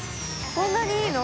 こんなにいいの？